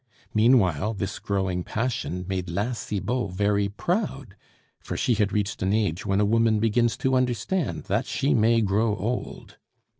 Meanwhile this growing passion made La Cibot very proud, for she had reached an age when a woman begins to understand that she may grow old.